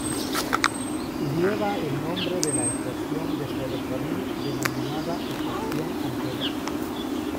Lleva el nombre de la estación de ferrocarril denominada Estación Antelo.